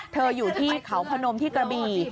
อยู่ที่เขาพนมที่กระบี่